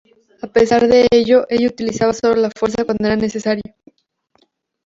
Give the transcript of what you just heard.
A pesar de ello, ella utilizaba solo la Fuerza cuando era necesario.